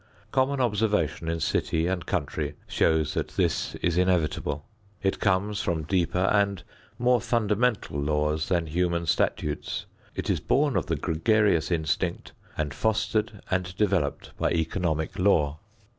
Common observation in city and country shows that this is inevitable. It comes from deeper and more fundamental laws than human statutes. It is born of the gregarious instinct and fostered and developed by economic law.